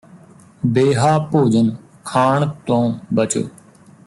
ਬੇਹਾ ਭੋਜਨ ਖਾਣ ਤੋਂ ਬਚੋ